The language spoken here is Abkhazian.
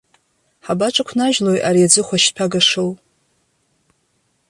Ҳабаҿықәнажьлои ари аӡыхәашь-ҭәагашоу?